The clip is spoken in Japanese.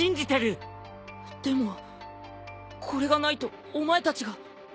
でもこれがないとお前たちが。